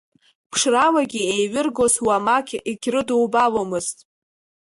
Ԥшралагьы еиҩыргоз уамак агьрыдубаломызт.